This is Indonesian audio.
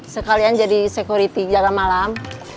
sekalian jadi security jaga malam